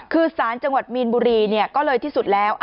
คือสารจังหวัดมีนบุรีก็เลยที่สุดแล้ว